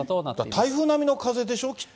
台風並みの風でしょ、きっと。